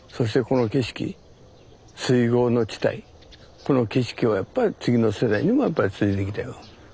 この景色水郷の地帯この景色をやっぱり次の世代にもやっぱりつないでいきたいなと。